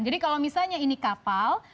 jadi kalau misalnya ini kapal